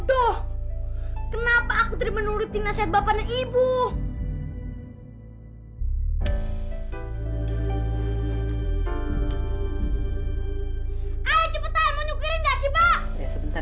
jadilah anak yang baik dan tidak membantah perintah atau nasihat orang tua